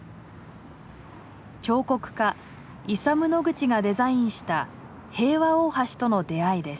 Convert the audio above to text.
彫刻家イサム・ノグチがデザインした「平和大橋」との出会いです。